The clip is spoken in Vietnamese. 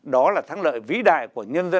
đó là thắng lợi vĩ đại của nhân dân